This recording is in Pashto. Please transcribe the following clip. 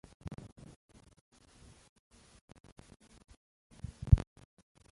ماليه ورکوونکي د پيسو په سمه ټولېدنه ټېنګار کوي.